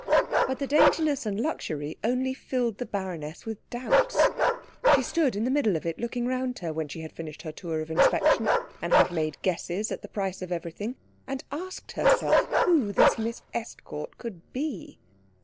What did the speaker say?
But the daintiness and luxury only filled the baroness with doubts. She stood in the middle of it looking round her when she had finished her tour of inspection and had made guesses at the price of everything, and asked herself who this Miss Estcourt could be.